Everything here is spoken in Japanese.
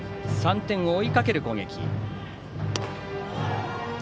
３点を追いかける攻撃。